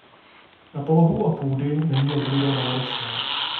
Na polohu a půdy není odrůda náročná.